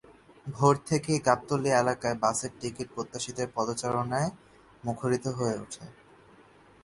ভোর থেকেই গাবতলী এলাকা বাসের টিকিট প্রত্যাশীদের পদচারণায় মুখরিত হয়ে ওঠে।